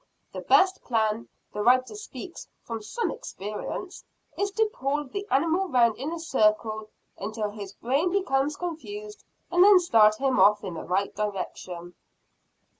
The best plan the writer speaks from some experience is to pull the animal round in a circle until his brain becomes confused, and then start him off in the right direction.